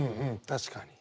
確かに。